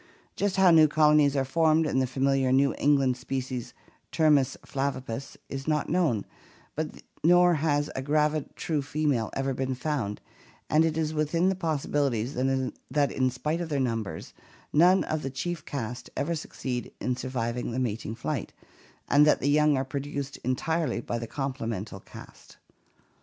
Just how new colonies are formed in the familiar New England species, Termes flavipes, is not known, nor has a gravid true female ever been found, and it is within the possibilities that in spite of their numbers none of the chief caste ever 254 ORGANIC EVOLUTION succeed in surviving the mating flight, and that the young are produced entirely by the complemental caste.